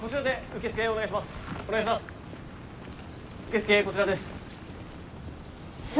受付こちらです。